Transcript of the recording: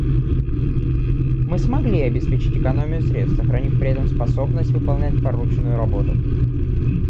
Мы смогли обеспечить экономию средств, сохранив при этом способность выполнять порученную работу.